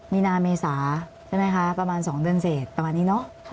มีนาเมษาใช่ไหมคะประมาณ๒เดือนเสร็จประมาณนี้เนอะ